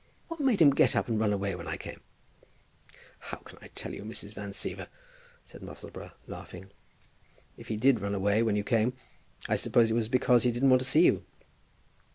"What made him get up and run away when I came?" "How can I tell, Mrs. Van Siever," said Musselboro, laughing. "If he did run away when you came, I suppose it was because he didn't want to see you."